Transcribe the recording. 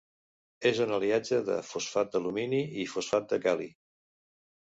És un aliatge de fosfat d'alumini i fosfat de gal·li.